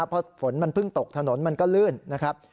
เพราะฝนมันเพิ่งตกถนนมันก็ลื่นนะครับ